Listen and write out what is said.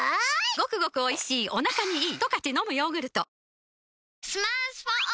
ゴクゴクおいしいお腹にイイ！